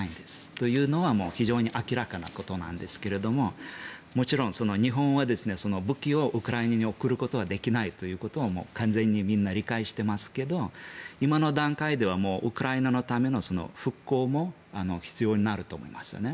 というのは非常に明らかなことなんですがもちろん日本は武器をウクライナに送ることはできないということはもう、完全にみんな理解していますけど今の段階ではウクライナのための復興も必要になると思いますね。